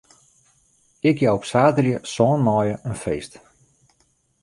Ik jou op saterdei sân maaie in feest.